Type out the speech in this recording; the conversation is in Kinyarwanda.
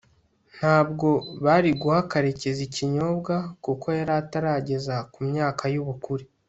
ntabwo bari guha karekezi ikinyobwa kuko yari atarageza ku myaka y'ubukure